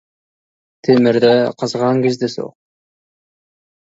Темірді қызған кезде соқ.